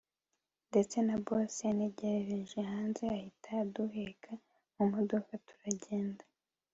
ndetse na boss antegerereje hanze ahita aduheka mumodoka turajyenda